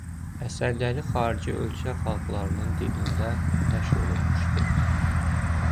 Əsərləri xarici ölkə xalqlarının dilində nəşr olunmuşdur.